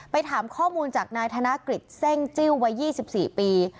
ไปถามข้อมูลจากนายธนกฤทธิ์เซ่งจิ้ววัยยี่สิบสี่ปี